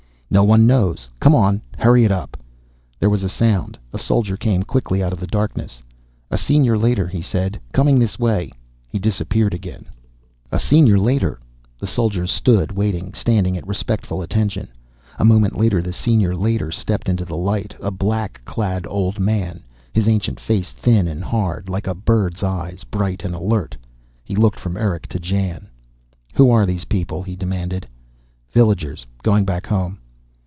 "No one knows. Come on, hurry it up!" There was a sound. A soldier came quickly out of the darkness. "A Senior Leiter," he said. "Coming this way." He disappeared again. "A Senior Leiter." The soldiers stood waiting, standing at a respectful attention. A moment later the Senior Leiter stepped into the light, a black clad old man, his ancient face thin and hard, like a bird's, eyes bright and alert. He looked from Erick to Jan. "Who are these people?" he demanded. "Villagers going back home."